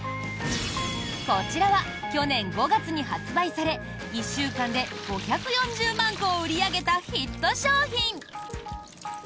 こちらは、去年５月に発売され１週間で５４０万個を売り上げたヒット商品。